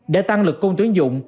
để tăng lực công tuyến dụng